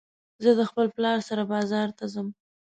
زه له خپل پلار سره بازار ته ځم